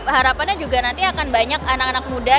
harapannya juga nanti akan banyak anak anak muda